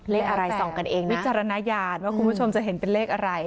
เลขอะไรส่องกันเองวิจารณญาณว่าคุณผู้ชมจะเห็นเป็นเลขอะไร